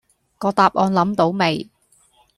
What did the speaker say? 個答案諗到未